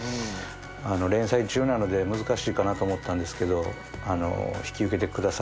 連載中なので難しいかなと思ったんですけど引き受けてくださって。